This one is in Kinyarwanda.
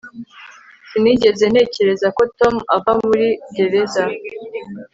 sinigeze ntekereza ko tom ava muri gereza